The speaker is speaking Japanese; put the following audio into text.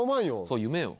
そう夢よ。